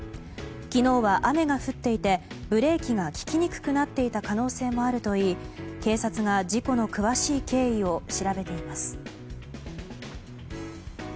昨日は雨が降っていてブレーキが利きにくくなっていた可能性もあるといい警察が事故の詳しい経緯を調べています。